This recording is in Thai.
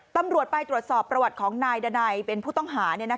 ตำรวจไปตรวจสอบประวัติของนายดันัยเป็นผู้ต้องหา